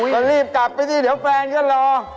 ก็รีบกลับไปสิเดี๋ยวแฟนก็รอ